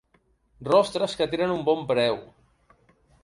Rostres que tenen un bon preu.